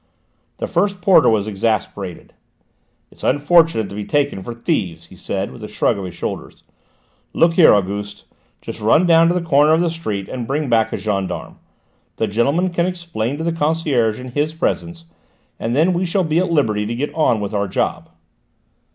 The first porter was exasperated. "It's unfortunate to be taken for thieves," he said with a shrug of his shoulders. "Look here, Auguste, just run down to the corner of the street and bring back a gendarme. The gentleman can explain to the concierge in his presence, and then we shall be at liberty to get on with our job."